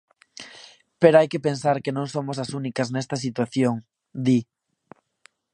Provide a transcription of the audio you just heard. "Pero hai que pensar que non somos as únicas nesta situación", di.